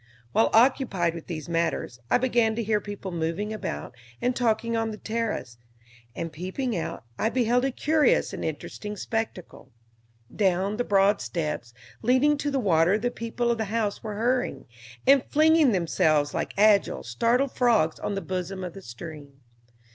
While occupied with these matters I began to hear people moving about and talking on the terrace, and peeping out, I beheld a curious and interesting spectacle. Down the broad steps leading to the water the people of the house were hurrying, and flinging themselves like agile, startled frogs on the bosom of the stream.